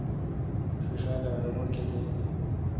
ݭیݭال اے°ا ڈبے°کتیک تہ۔